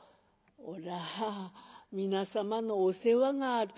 「おら皆様のお世話がある」。